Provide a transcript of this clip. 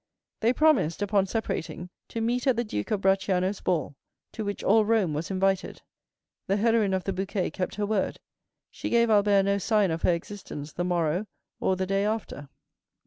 They promised, upon separating, to meet at the Duke of Bracciano's ball, to which all Rome was invited. The heroine of the bouquet kept her word; she gave Albert no sign of her existence the morrow or the day after.